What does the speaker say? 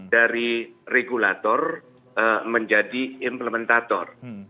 dari regulator menjadi implementator